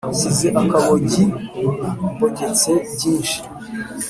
Nshiye akabogi mbogetse byinshi